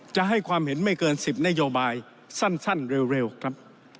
จะให้ความเห็นไม่เกิน๑๐นโยบายสั้นเร็วครับ